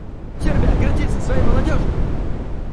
Сербия гордится своей молодежью.